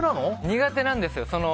苦手なんですよ。